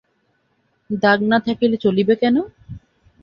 দাগ না থাকিলে চলিবে কেন!